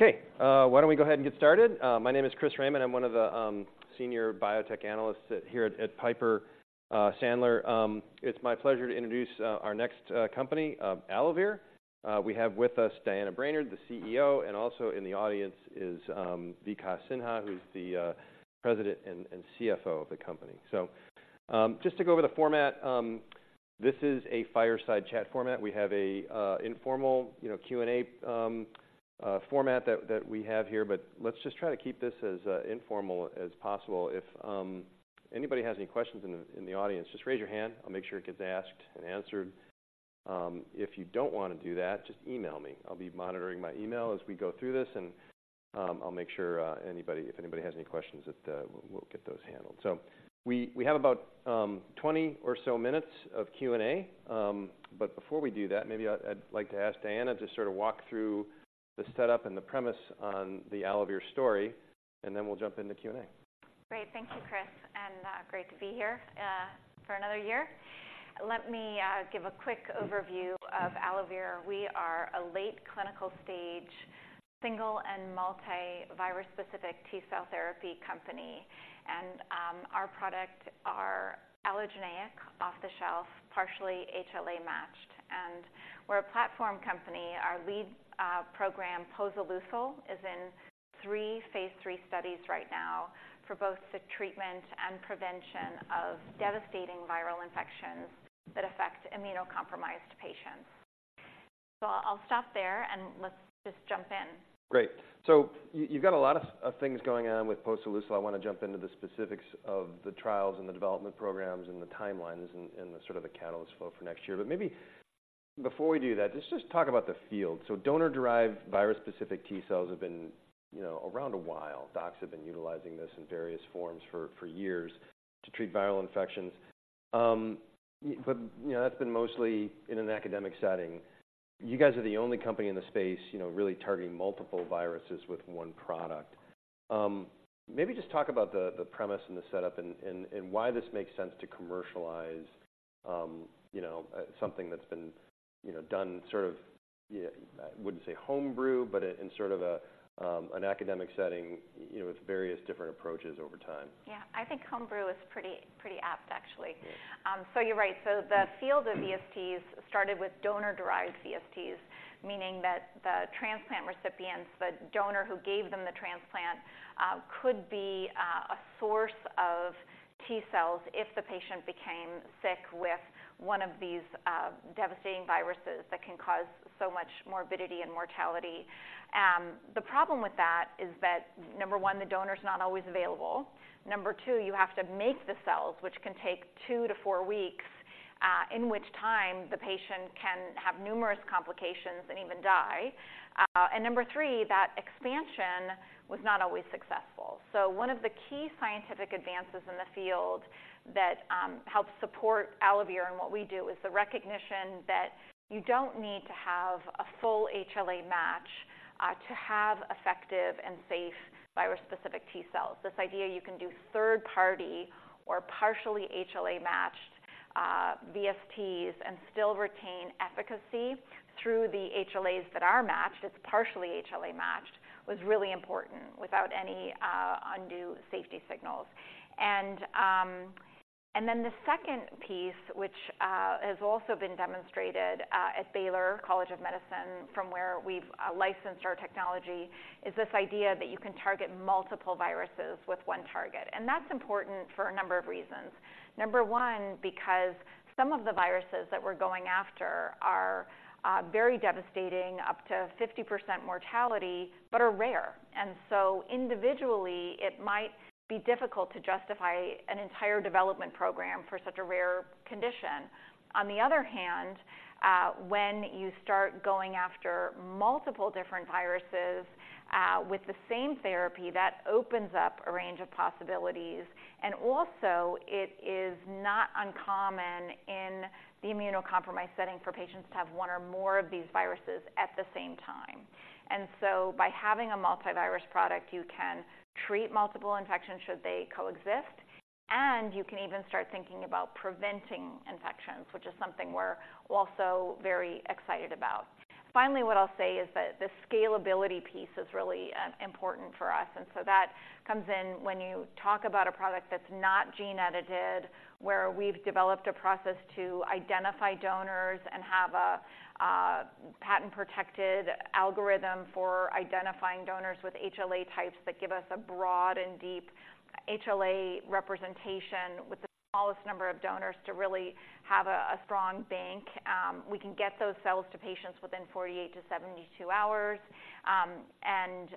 Okay, why don't we go ahead and get started? My name is Chris Raymond. I'm one of the senior biotech analysts here at Piper Sandler. It's my pleasure to introduce our next company, AlloVir. We have with us Diana Brainard, the CEO, and also in the audience is Vikas Sinha, who's the president and CFO of the company. So, just to go over the format, this is a fireside chat format. We have an informal, you know, Q&A format that we have here, but let's just try to keep this as informal as possible. If anybody has any questions in the audience, just raise your hand. I'll make sure it gets asked and answered. If you don't want to do that, just email me. I'll be monitoring my email as we go through this, and I'll make sure anybody, if anybody has any questions, that we'll get those handled. So we have about 20 or so minutes of Q&A. But before we do that, maybe I'd like to ask Diana to sort of walk through the setup and the premise on the AlloVir story, and then we'll jump into Q&A. Great. Thank you, Chris, and great to be here for another year. Let me give a quick overview of AlloVir. We are a late clinical stage, single and multi-virus specific T-cell therapy company, and our product are allogeneic, off-the-shelf, partially HLA-matched. We're a platform company. Our lead program, posoleucel, is in three phase III studies right now for both the treatment and prevention of devastating viral infections that affect immunocompromised patients. I'll stop there, and let's just jump in. Great. So you've got a lot of things going on with posoleucel. I want to jump into the specifics of the trials and the development programs and the timelines and the sort of catalyst flow for next year. But maybe before we do that, let's just talk about the field. So donor-derived virus-specific T cells have been, you know, around a while. Docs have been utilizing this in various forms for years to treat viral infections. But, you know, that's been mostly in an academic setting. You guys are the only company in the space, you know, really targeting multiple viruses with one product. Maybe just talk about the premise and the setup and why this makes sense to commercialize, you know, something that's been, you know, done sort of, yeah, I wouldn't say homebrew, but in sort of an academic setting, you know, with various different approaches over time. Yeah. I think homebrew is pretty, pretty apt, actually. Yeah. So you're right. So the field of VSTs started with donor-derived VSTs, meaning that the transplant recipients, the donor who gave them the transplant, could be a source of T-cells if the patient became sick with one of these devastating viruses that can cause so much morbidity and mortality. The problem with that is that, number one, the donor's not always available. Number two, you have to make the cells, which can take two to four weeks in which time the patient can have numerous complications and even die. And number three, that expansion was not always successful. So one of the key scientific advances in the field that helps support AlloVir and what we do, is the recognition that you don't need to have a full HLA match to have effective and safe virus-specific T-cells. This idea you can do third-party or partially HLA-matched, VSTs and still retain efficacy through the HLAs that are matched, it's partially HLA-matched, was really important without any, undue safety signals. And, and then the second piece, which, has also been demonstrated, at Baylor College of Medicine, from where we've, licensed our technology, is this idea that you can target multiple viruses with one target. And that's important for a number of reasons. Number one, because some of the viruses that we're going after are, very devastating, up to 50% mortality, but are rare. And so individually, it might be difficult to justify an entire development program for such a rare condition. On the other hand, when you start going after multiple different viruses, with the same therapy, that opens up a range of possibilities. Also, it is not uncommon in the immunocompromised setting for patients to have one or more of these viruses at the same time. So by having a multi-virus product, you can treat multiple infections should they coexist, and you can even start thinking about preventing infections, which is something we're also very excited about. Finally, what I'll say is that the scalability piece is really important for us, and so that comes in when you talk about a product that's not gene edited, where we've developed a process to identify donors and have a patent-protected algorithm for identifying donors with HLA types that give us a broad and deep HLA representation with the smallest number of donors to really have a strong bank. We can get those cells to patients within 48-72 hours. And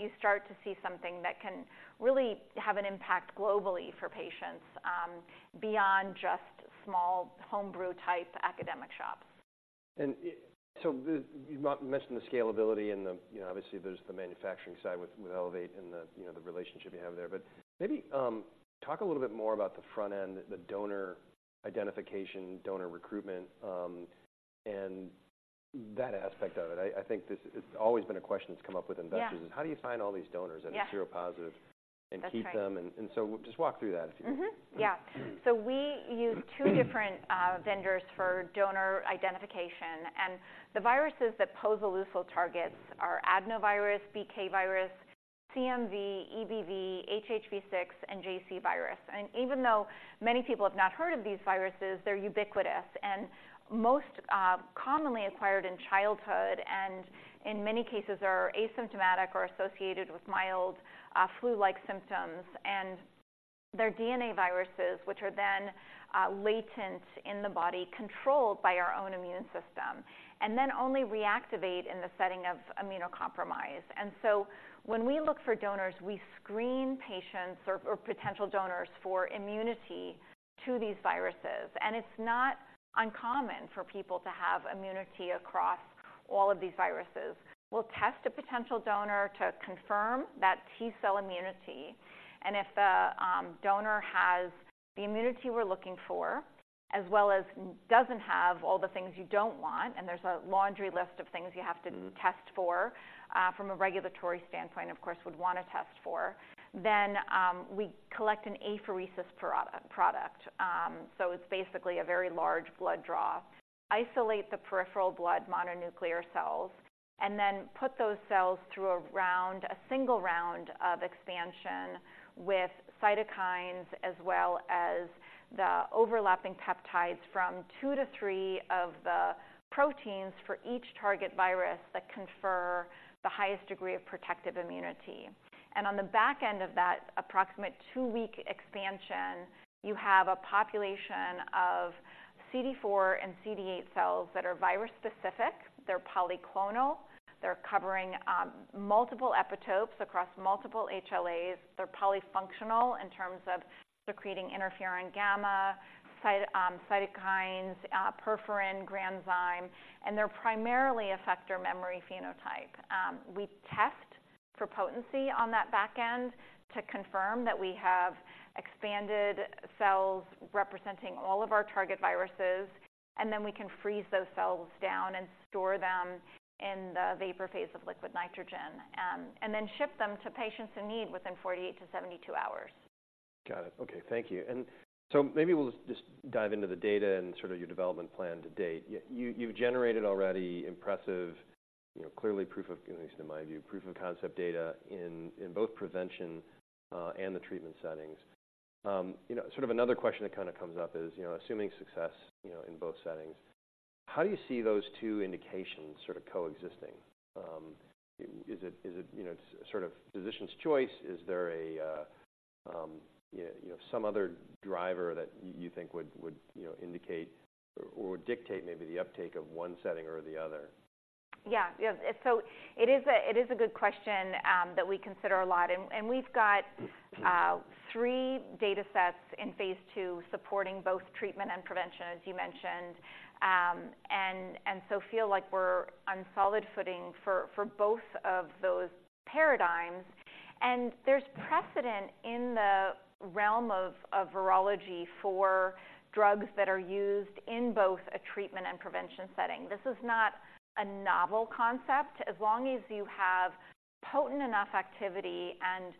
you start to see something that can really have an impact globally for patients, beyond just small homebrew-type academic shops. So you mentioned the scalability and the, you know, obviously there's the manufacturing side with Elevate and the, you know, the relationship you have there. But maybe talk a little bit more about the front end, the donor identification, donor recruitment, and that aspect of it. I think this... It's always been a question that's come up with investors- Yeah. how do you find all these donors? Yeah. -that are seropositive?... and keep them. And so just walk through that if you would. Mm-hmm. Yeah. We use two different vendors for donor identification, and the viruses that posoleucel targets are adenovirus, BK virus, CMV, EBV, HHV-6, and JC virus. Even though many people have not heard of these viruses, they're ubiquitous and most commonly acquired in childhood, and in many cases are asymptomatic or associated with mild flu-like symptoms. They're DNA viruses, which are then latent in the body, controlled by our own immune system, and then only reactivate in the setting of immunocompromise. So when we look for donors, we screen patients or potential donors for immunity to these viruses, and it's not uncommon for people to have immunity across all of these viruses. We'll test a potential donor to confirm that T-cell immunity, and if the donor has the immunity we're looking for, as well as doesn't have all the things you don't want, and there's a laundry list of things you have to test for from a regulatory standpoint, of course, would want to test for. Then we collect an apheresis product. So it's basically a very large blood draw, isolate the peripheral blood mononuclear cells, and then put those cells through a round, a single round of expansion with cytokines, as well as the overlapping peptides from two to three of the proteins for each target virus that confer the highest degree of protective immunity. On the back end of that approximate two-week expansion, you have a population of CD4 and CD8 cells that are virus-specific. They're polyclonal. They're covering multiple epitopes across multiple HLAs. They're polyfunctional in terms of secreting interferon gamma, cytokines, perforin, granzyme, and they're primarily effector memory phenotype. We test for potency on that back end to confirm that we have expanded cells representing all of our target viruses, and then we can freeze those cells down and store them in the vapor phase of liquid nitrogen, and then ship them to patients in need within 48-72 hours. Got it. Okay, thank you. And so maybe we'll just dive into the data and sort of your development plan to date. You've generated already impressive, you know, clearly proof of... at least in my view, proof of concept data in both prevention and the treatment settings. You know, sort of another question that kind of comes up is, you know, assuming success, you know, in both settings, how do you see those two indications sort of coexisting? Is it, is it, you know, sort of physician's choice? Is there a, you know, some other driver that you think would, you know, indicate or dictate maybe the uptake of one setting or the other? Yeah. Yeah. So it is a good question that we consider a lot, and we've got three data sets in Phase II supporting both treatment and prevention, as you mentioned, and so feel like we're on solid footing for both of those paradigms. And there's precedent in the realm of virology for drugs that are used in both a treatment and prevention setting. This is not a novel concept. As long as you have potent enough activity and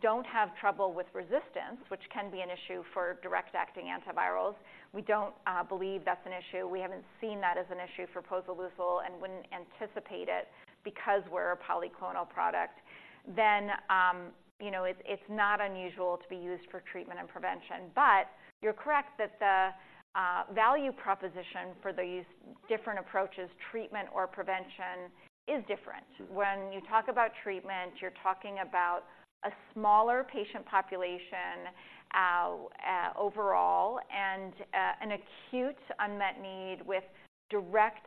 don't have trouble with resistance, which can be an issue for direct acting antivirals, we don't believe that's an issue. We haven't seen that as an issue for posoleucel and wouldn't anticipate it, because we're a polyclonal product, then you know, it's not unusual to be used for treatment and prevention. But you're correct that the value proposition for these different approaches, treatment or prevention, is different. When you talk about treatment, you're talking about a smaller patient population overall and an acute unmet need with direct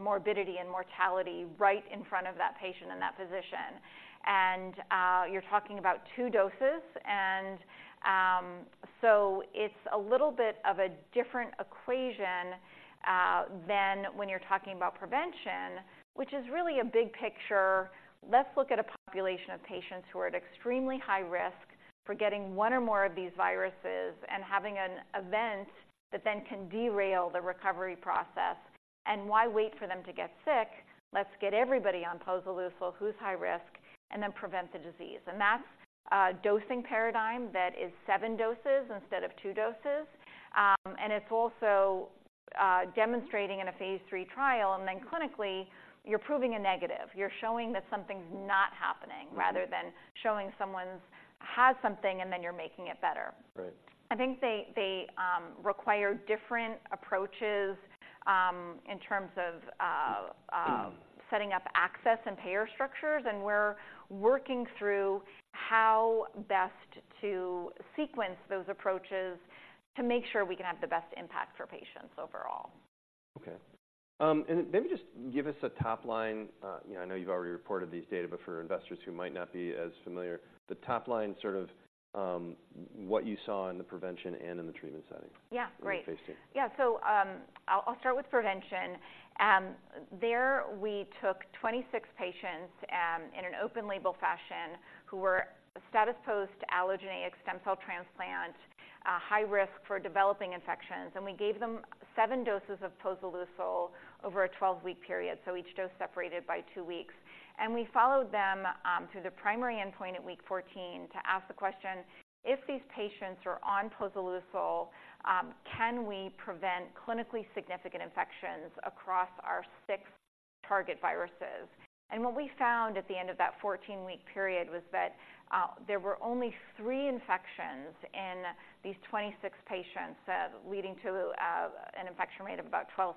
morbidity and mortality right in front of that patient and that physician. And you're talking about two doses, and so it's a little bit of a different equation than when you're talking about prevention, which is really a big picture. Let's look at a population of patients who are at extremely high risk for getting one or more of these viruses and having an event that then can derail the recovery process. And why wait for them to get sick? Let's get everybody on posoleucel who's high risk and then prevent the disease. That's a dosing paradigm that is seven doses instead of two doses, and it's also demonstrating in a phase III trial, and then clinically, you're proving a negative. You're showing that something's not happening. Mm-hmm. Rather than showing someone's had something, and then you're making it better. Right. I think they require different approaches in terms of setting up access and payer structures, and we're working through how best to sequence those approaches to make sure we can have the best impact for patients overall. Okay. And maybe just give us a top line, you know, I know you've already reported these data, but for investors who might not be as familiar, the top line, sort of, what you saw in the prevention and in the treatment setting- Yeah. Great. In phase II. Yeah. So, I'll start with prevention. There we took 26 patients in an open label fashion, who were status post allogeneic stem cell transplant, high risk for developing infections, and we gave them seven doses of posoleucel over a 12-week period, so each dose separated by two weeks. And we followed them through the primary endpoint at week 14 to ask the question: If these patients are on posoleucel, can we prevent clinically significant infections across our six target viruses? And what we found at the end of that 14-week period was that there were only three infections in these 26 patients, leading to an infection rate of about 12%,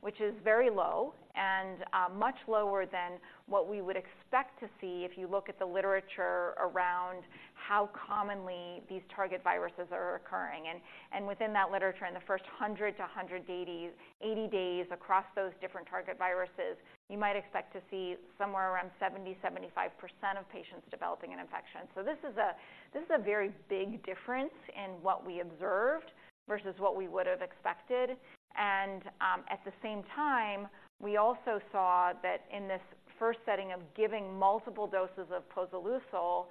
which is very low and much lower than what we would expect to see if you look at the literature around how commonly these target viruses are occurring. Within that literature, in the first 100-180 days across those different target viruses, you might expect to see somewhere around 70%-75% of patients developing an infection. So this is a very big difference in what we observed versus what we would have expected. At the same time, we also saw that in this first setting of giving multiple doses of posoleucel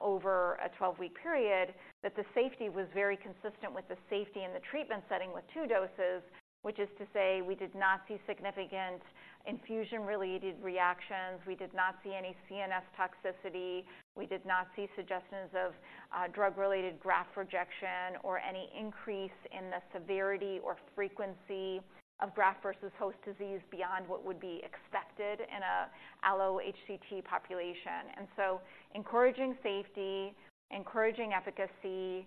over a 12-week period, that the safety was very consistent with the safety in the treatment setting with two doses. Which is to say, we did not see significant infusion-related reactions. We did not see any CNS toxicity. We did not see suggestions of drug-related graft rejection or any increase in the severity or frequency of graft versus host disease beyond what would be expected in an allo-HCT population. And so encouraging safety, encouraging efficacy,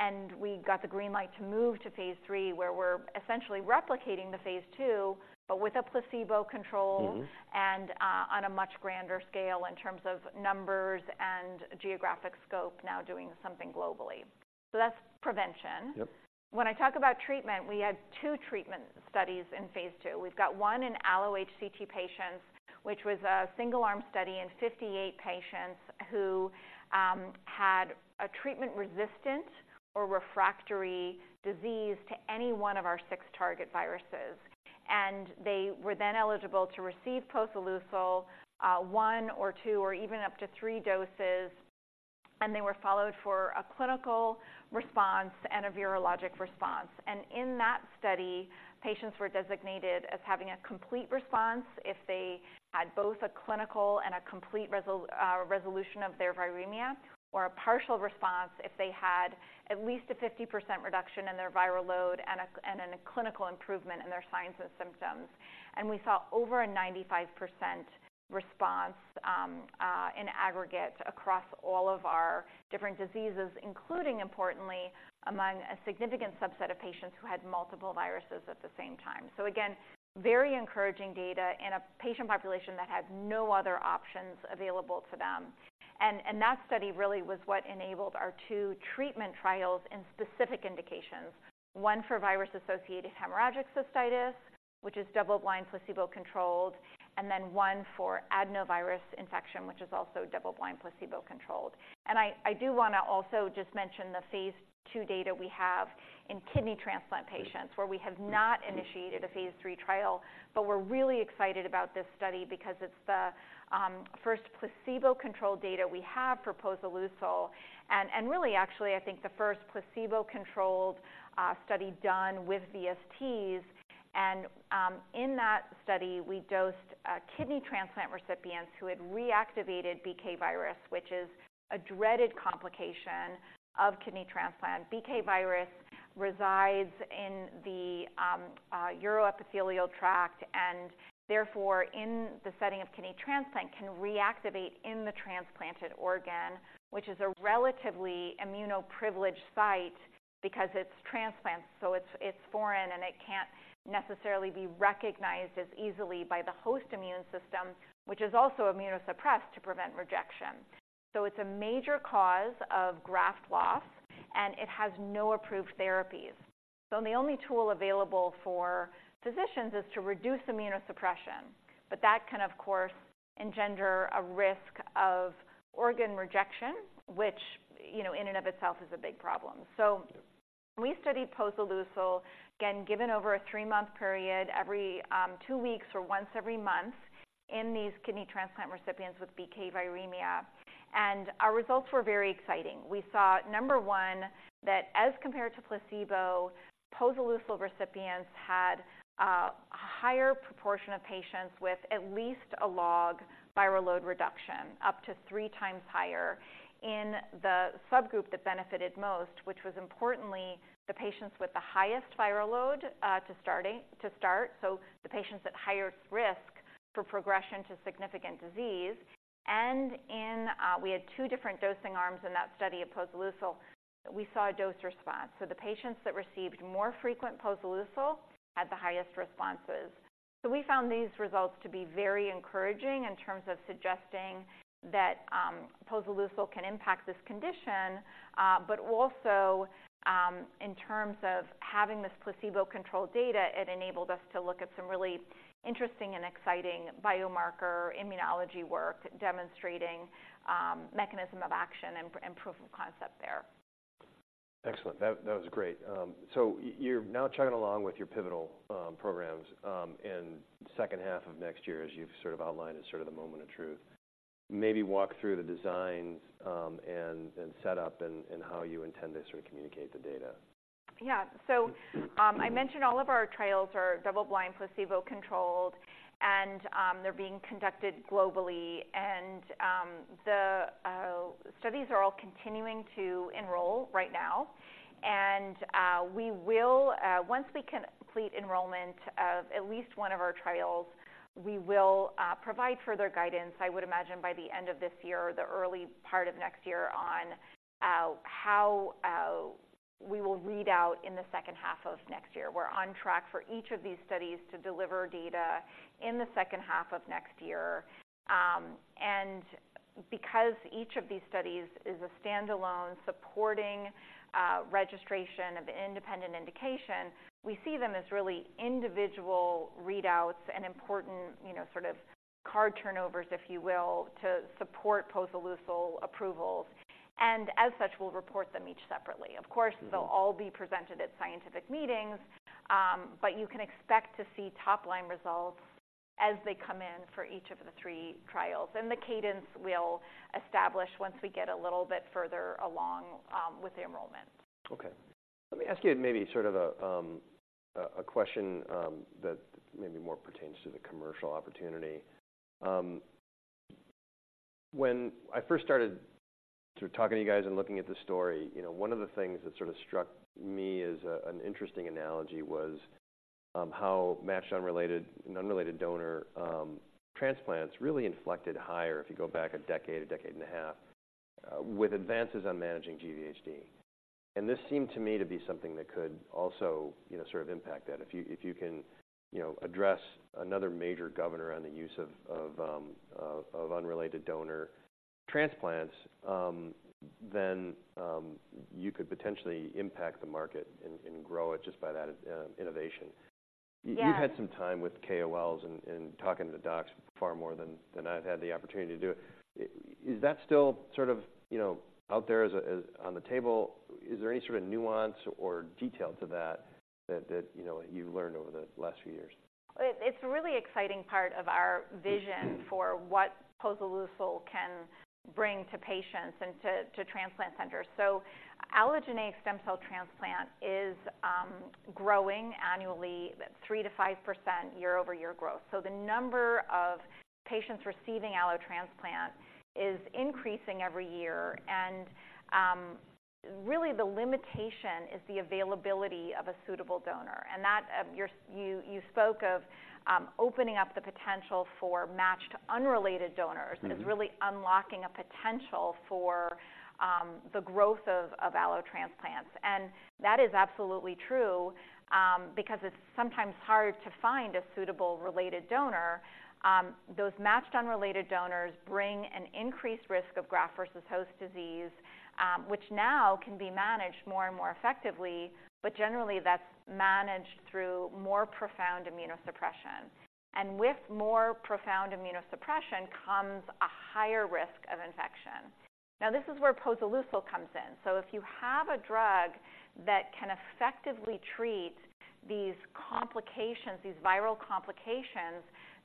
and we got the green light to move to Phase III, where we're essentially replicating the Phase II, but with a placebo control- Mm-hmm. And, on a much grander scale in terms of numbers and geographic scope, now doing something globally. So that's prevention. Yep. When I talk about treatment, we had two treatment studies in phase II. We've got one in allo-HCT patients, which was a single-arm study in 58 patients who had a treatment-resistant or refractory disease to any one of our six target viruses. And they were then eligible to receive posoleucel one or two or even up to three doses, and they were followed for a clinical response and a virologic response. And in that study, patients were designated as having a complete response if they had both a clinical and a complete resolution of their viremia, or a partial response if they had at least a 50% reduction in their viral load and a clinical improvement in their signs and symptoms. We saw over a 95% response in aggregate across all of our different diseases, including importantly, among a significant subset of patients who had multiple viruses at the same time. So again, very encouraging data in a patient population that had no other options available to them. And that study really was what enabled our two treatment trials in specific indications, one for virus-associated hemorrhagic cystitis, which is double-blind, placebo-controlled, and then one for adenovirus infection, which is also double-blind, placebo-controlled. And I do want to also just mention the phase II data we have in kidney transplant patients, where we have not initiated a phase III trial, but we're really excited about this study because it's the first placebo-controlled data we have for posoleucel, and really actually, I think the first placebo-controlled study done with VSTs. In that study, we dosed kidney transplant recipients who had reactivated BK virus, which is a dreaded complication of kidney transplant. BK virus resides in the uroepithelial tract, and therefore, in the setting of kidney transplant, can reactivate in the transplanted organ, which is a relatively immunoprivileged site because it's transplant, so it's, it's foreign, and it can't necessarily be recognized as easily by the host immune system, which is also immunosuppressed to prevent rejection. So it's a major cause of graft loss, and it has no approved therapies. So the only tool available for physicians is to reduce immunosuppression, but that can, of course, engender a risk of organ rejection, which, you know, in and of itself is a big problem. Yep. So we studied posoleucel, again, given over a three-month period, every two weeks or once every month in these kidney transplant recipients with BK viremia, and our results were very exciting. We saw, number one, that as compared to placebo, posoleucel recipients had a higher proportion of patients with at least a log viral load reduction, up to three times higher in the subgroup that benefited most, which was, importantly, the patients with the highest viral load to start, so the patients at higher risk for progression to significant disease. And in, we had two different dosing arms in that study of posoleucel. We saw a dose response. So the patients that received more frequent posoleucel had the highest responses. So we found these results to be very encouraging in terms of suggesting that posoleucel can impact this condition, but also in terms of having this placebo-controlled data, it enabled us to look at some really interesting and exciting biomarker immunology work demonstrating mechanism of action and proof of concept there. Excellent. That, that was great. So you're now chugging along with your pivotal programs, and second half of next year, as you've sort of outlined, is sort of the moment of truth. Maybe walk through the design, and, and set-up and, and how you intend to sort of communicate the data. Yeah. So, I mentioned all of our trials are double-blind, placebo-controlled, and they're being conducted globally. And, the studies are all continuing to enroll right now. And, we will, once we complete enrollment of at least one of our trials, we will, provide further guidance, I would imagine, by the end of this year, or the early part of next year, on, how, we will read out in the second half of next year. We're on track for each of these studies to deliver data in the second half of next year. And because each of these studies is a standalone supporting, registration of an independent indication, we see them as really individual readouts and important, you know, sort of card turnovers, if you will, to support posoleucel approvals, and as such, we'll report them each separately. Mm-hmm. Of course, they'll all be presented at scientific meetings. But you can expect to see top-line results as they come in for each of the three trials, and the cadence will establish once we get a little bit further along, with the enrollment. Okay. Let me ask you maybe sort of a question that maybe more pertains to the commercial opportunity. When I first started talking to you guys and looking at the story, you know, one of the things that sort of struck me as an interesting analogy was how matched related and unrelated donor transplants really inflected higher if you go back a decade, a decade and a half, with advances on managing GVHD. And this seemed to me to be something that could also, you know, sort of impact that. If you can, you know, address another major governor on the use of unrelated donor transplants, then you could potentially impact the market and grow it just by that innovation. Yeah. You've had some time with KOLs and talking to the docs far more than I've had the opportunity to do it. Is that still sort of, you know, out there as on the table? Is there any sort of nuance or detail to that, you know, you've learned over the last few years? It's a really exciting part of our vision for what posoleucel can bring to patients and to transplant centers. So allogeneic stem cell transplant is growing annually at 3%-5% year-over-year growth. So the number of patients receiving allo transplant is increasing every year, and really, the limitation is the availability of a suitable donor. And that you spoke of opening up the potential for matched unrelated donors. Mm-hmm... is really unlocking a potential for the growth of allo transplants. And that is absolutely true, because it's sometimes hard to find a suitable related donor. Those matched unrelated donors bring an increased risk of graft versus host disease, which now can be managed more and more effectively, but generally, that's managed through more profound immunosuppression. And with more profound immunosuppression comes a higher risk of infection. Now, this is where posoleucel comes in. So if you have a drug that can effectively treat these complications, these viral complications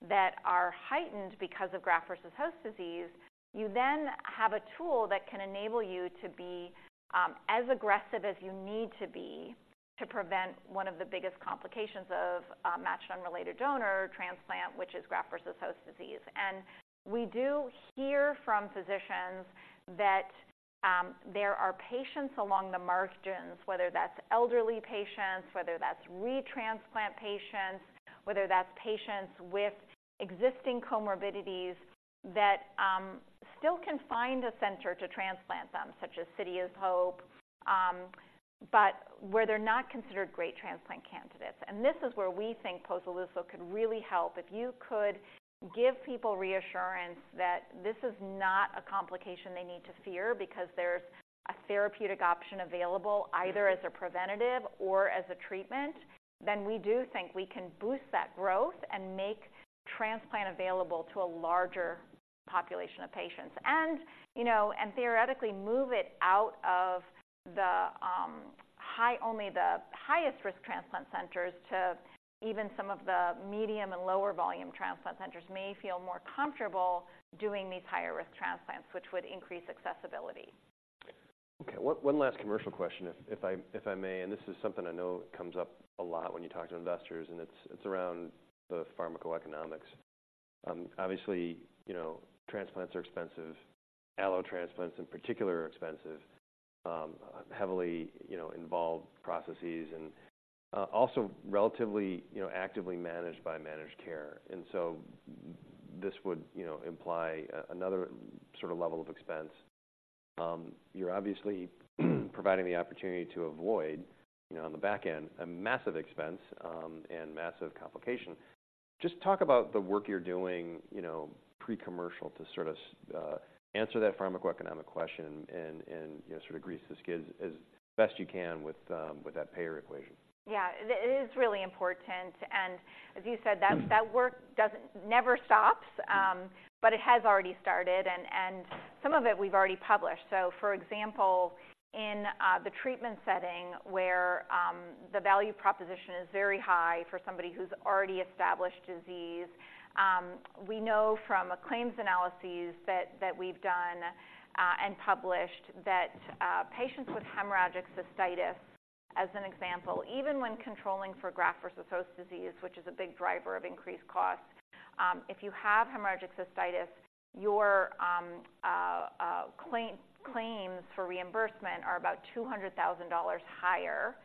that are heightened because of graft versus host disease, you then have a tool that can enable you to be as aggressive as you need to be to prevent one of the biggest complications of a matched unrelated donor transplant, which is graft versus host disease. We do hear from physicians that there are patients along the margins, whether that's elderly patients, whether that's retransplant patients, whether that's patients with existing comorbidities, that still can find a center to transplant them, such as City of Hope, but where they're not considered great transplant candidates. This is where we think posoleucel could really help. If you could give people reassurance that this is not a complication they need to fear because there's a therapeutic option available- Mm-hmm... either as a preventative or as a treatment, then we do think we can boost that growth and make transplant available to a larger population of patients and, you know, and theoretically, move it out of only the highest risk transplant centers to even some of the medium and lower volume transplant centers may feel more comfortable doing these higher risk transplants, which would increase accessibility. Okay, one last commercial question, if I may, and this is something I know comes up a lot when you talk to investors, and it's around the pharmacoeconomics. Obviously, you know, transplants are expensive. Allo transplants, in particular, are expensive, heavily, you know, involved processes and also relatively, you know, actively managed by managed care. And so this would, you know, imply another sort of level of expense. You're obviously providing the opportunity to avoid, you know, on the back end, a massive expense and massive complication. Just talk about the work you're doing, you know, pre-commercial, to sort of answer that pharmacoeconomic question and you know, sort of grease the skids as best you can with that payer equation. Yeah, it is really important. And as you said, that work never stops, but it has already started, and some of it we've already published. So for example, in the treatment setting where the value proposition is very high for somebody who's already established disease, we know from claims analyses that we've done and published, that patients with hemorrhagic cystitis, as an example, even when controlling for graft-versus-host disease, which is a big driver of increased cost, if you have hemorrhagic cystitis, your claims for reimbursement are about $200,000 higher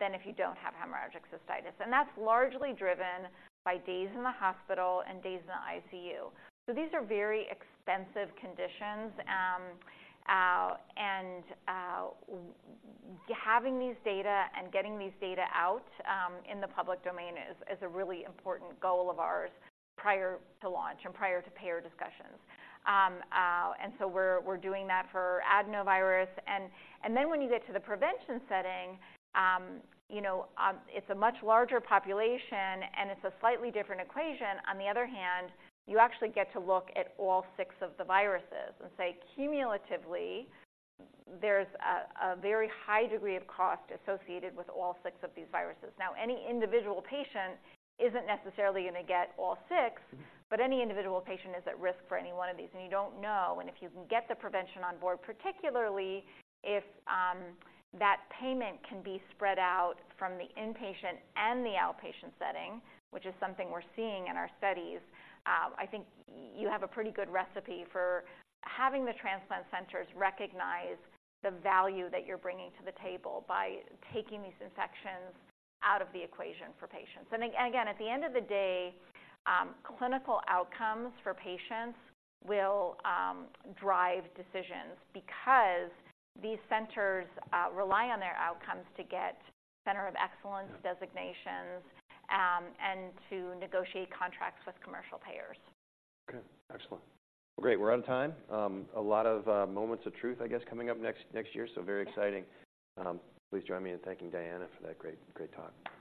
than if you don't have hemorrhagic cystitis. And that's largely driven by days in the hospital and days in the ICU. So these are very expensive conditions, and having these data and getting these data out in the public domain is a really important goal of ours prior to launch and prior to payer discussions. And so we're doing that for adenovirus. And then when you get to the prevention setting, you know, it's a much larger population, and it's a slightly different equation. On the other hand, you actually get to look at all six of the viruses and say, cumulatively, there's a very high degree of cost associated with all six of these viruses. Now, any individual patient isn't necessarily going to get all six, but any individual patient is at risk for any one of these, and you don't know. And if you can get the prevention on board, particularly if that payment can be spread out from the inpatient and the outpatient setting, which is something we're seeing in our studies, I think you have a pretty good recipe for having the transplant centers recognize the value that you're bringing to the table by taking these infections out of the equation for patients. And again, at the end of the day, clinical outcomes for patients will drive decisions because these centers rely on their outcomes to get center of excellence designations, and to negotiate contracts with commercial payers. Okay, excellent. Great, we're out of time. A lot of moments of truth, I guess, coming up next, next year, so very exciting. Please join me in thanking Diana for that great, great talk. Great.